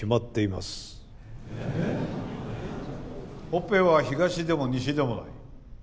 オペは東でも西でもない。